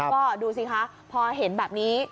ก็ดูสิคะพอเห็นแบบนี้